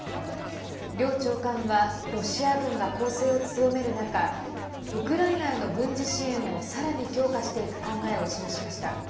両長官はロシア軍が攻勢を強める中ウクライナへの軍事支援をさらに強化していく考えを示しました。